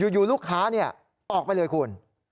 อยู่ลูกค้าออกไปเลยคุณ